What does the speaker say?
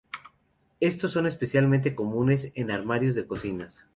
Estos son especialmente comunes en armarios de cocinas.